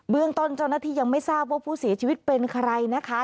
เรื่องต้นเจ้าหน้าที่ยังไม่ทราบว่าผู้เสียชีวิตเป็นใครนะคะ